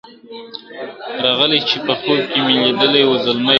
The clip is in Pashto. راغی چي په خوب کي مي لیدلی وو زلمی پښتون ..